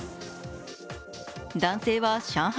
男性は上海